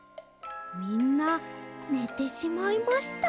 みんなねてしまいました。